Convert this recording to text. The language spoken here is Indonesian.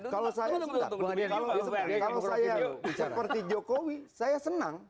kalau saya seperti jokowi saya senang